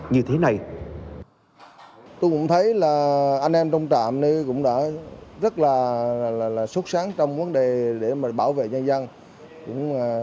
đây thì mấy chú công an vô thông